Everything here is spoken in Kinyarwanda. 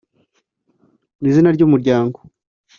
mu izina ry'umuryango,